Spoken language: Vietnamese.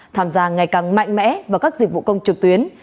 tham gia ngày càng mạnh mẽ vào các dịch vụ công trực tuyến